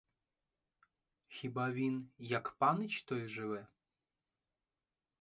Хіба він як панич той живе?